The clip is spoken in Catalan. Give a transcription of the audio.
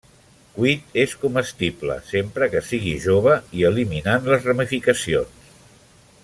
Cuit, és comestible, sempre que sigui jove i eliminant les ramificacions.